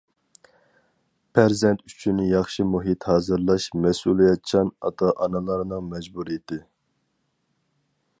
پەرزەنت ئۈچۈن ياخشى مۇھىت ھازىرلاش مەسئۇلىيەتچان ئاتا-ئانىلارنىڭ مەجبۇرىيىتى.